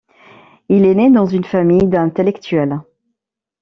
Il est né dans une famille d'intellectuels.